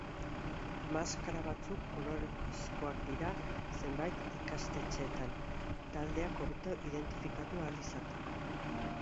Maskara batzuk kolorezkoak dira zenbait ikastetxetan, taldeak hobeto identifikatu ahal izateko.